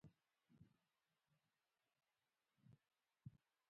خپلي ژبي ته کار وکړئ.